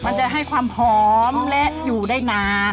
มันจะให้ความหอมและอยู่ได้นาน